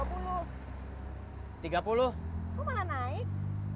kok malah naik